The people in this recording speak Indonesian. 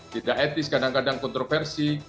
tidak etis kadang kadang kontroversi